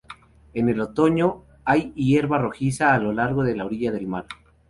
En el otoño, hay hierba rojiza a lo largo de la orilla del mar.